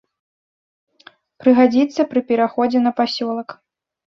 Прыгадзіцца пры пераходзе на пасёлак.